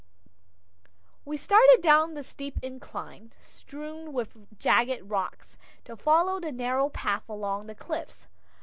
We started down the steep incline, strewn with jagged rocks, to follow the narrow path along the cliffs.